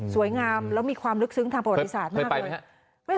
สวยงามแล้วมีความลึกซึ้งทางประวัติศาสตร์มากเลย